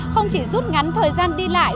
không chỉ rút ngắn thời gian đi lại